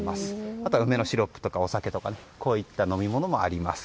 あとは梅のシロップとかお酒といった飲み物もあります。